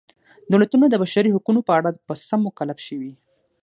دولتونه د بشري حقونو په اړه په څه مکلف شوي.